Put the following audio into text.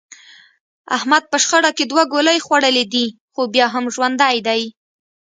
احمد په شخړه کې دوه ګولۍ خوړلې دي، خو بیا هم ژوندی دی.